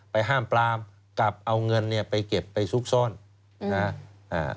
ห้ามปรามกับเอาเงินเนี่ยไปเก็บไปซุกซ่อนนะฮะอ่า